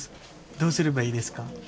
どうすればいいですか？